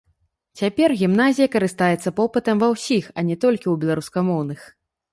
Цяпер гімназія карыстаецца попытам ва ўсіх, а не толькі ў беларускамоўных.